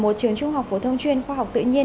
một trường trung học phổ thông chuyên khoa học tự nhiên